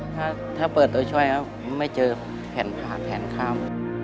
ถ้าเปิดตัวช่วยแล้วไม่เจอแผ่นผ่าแผนข้าม